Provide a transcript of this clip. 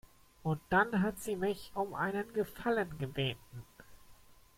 Und dann hat sie mich um einen Gefallen gebeten.